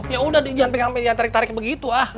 ya udah deh jangan pengen pengen tarik tarik begitu ah